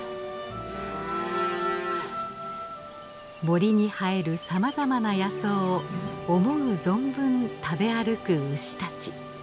森に生えるさまざまな野草を思う存分食べ歩く牛たち。